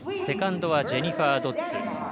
セカンドはジェニファー・ドッズ。